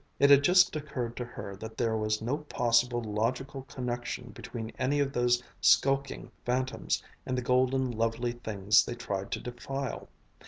It had just occurred to her that there was no possible logical connection between any of those skulking phantoms and the golden lovely things they tried to defile.